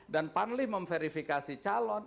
dan panli memverifikasi calon